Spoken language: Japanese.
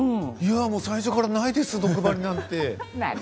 最初からないです、毒針なんて。